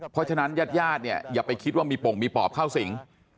เพราะฉะนั้นญาติญาติเนี่ยอย่าไปคิดว่ามีปงมีปอบเข้าสิง